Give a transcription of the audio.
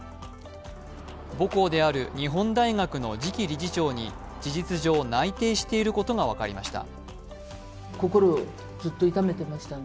母校である日本大学の次期理事長に事実上内定していることが分かりました。